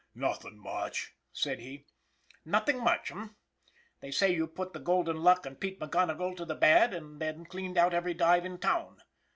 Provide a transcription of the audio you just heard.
" Nothin' much," said he. " Nothing much, eh ? They say you put the " Golden Luck and Pete McGonigle to the bad, and then cleaned out every dive in town.